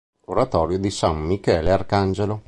Oratorio di San Michele Arcangelo